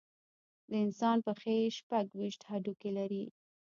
د انسان پښې شپږ ویشت هډوکي لري.